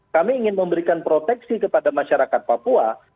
kami ingin memberikan proteksi kepada masyarakat papua